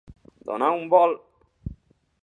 Donar un vol.